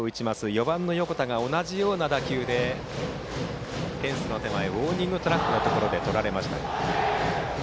４番の横田が同じような打球でフェンスの手前ウォーニングトラックのところでとられました。